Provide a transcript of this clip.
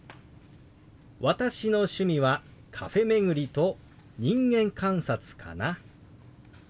「私の趣味はカフェ巡りと人間観察かな」。